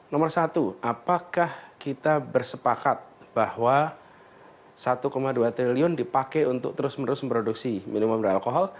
nomor satu apakah kita bersepakat bahwa satu dua triliun dipakai untuk terus menerus memproduksi minuman beralkohol